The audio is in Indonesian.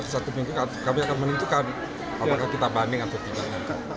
satu minggu kami akan menentukan apakah kita banding atau tidak